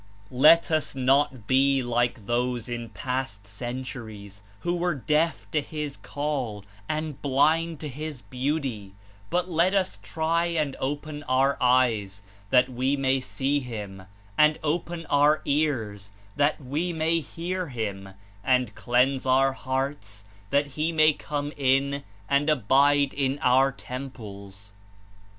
Let us not be like those In past centuries, who were deaf to His Call and blind to His Beauty; but let us try and open our eyes that we may see Him, and open our 78 ears that we may hear Him, and cleanse our hearts that He may come in and abide in our temples.